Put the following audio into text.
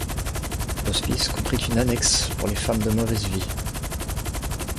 L'hospice comprit une annexe pour les femmes de mauvaise vie.